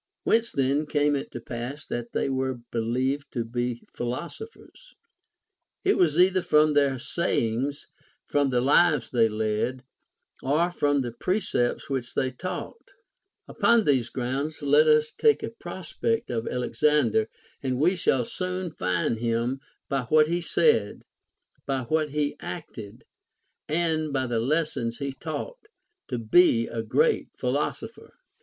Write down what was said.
\Vhence then came it to pass that they Avere belicA^ed to be philosophers 1 It was either from their sayings, from the lives they led, or from the precepts which they taught. Upon these grounds let us take a prospect of Alexander, and we shall soon find him, by what he said, by \vhat he acted, and by the lessons he taught, to be a great philosopher.